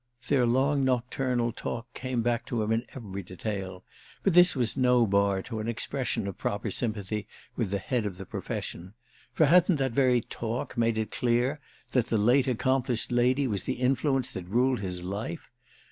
Their long nocturnal talk came back to him in every detail, but this was no bar to an expression of proper sympathy with the head of the profession, for hadn't that very talk made it clear that the late accomplished lady was the influence that ruled his life?